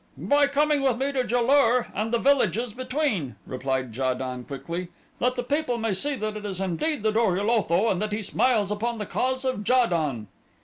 "By coming with me to Ja lur and the villages between," replied Ja don quickly, "that the people may see that it is indeed the Dor ul Otho and that he smiles upon the cause of Ja don."